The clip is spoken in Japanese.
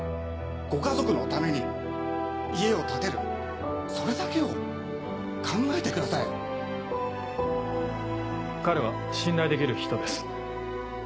ご家族のために家を建てるそれだけを考えてください彼は信頼できる人です。